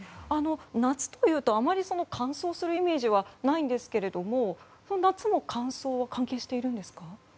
夏というとあまり乾燥するイメージはないんですけれども夏も乾燥は関係しているんですか。